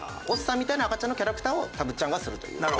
おっさんみたいな赤ちゃんのキャラクターをたぶっちゃんがするという。